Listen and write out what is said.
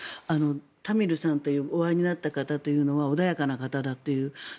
タミルさんというお会いになった方というのは穏やかな方だと。